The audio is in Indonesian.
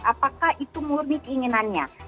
apakah itu murni keinginannya